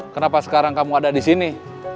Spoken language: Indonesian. kenapa sekarang kamu ada disini